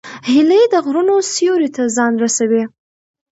هیلۍ د غرونو سیوري ته ځان رسوي